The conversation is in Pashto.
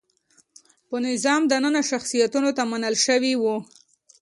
په نظام دننه شخصیتونو ته منل شوي وو.